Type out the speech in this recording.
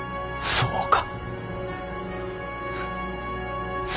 そうか。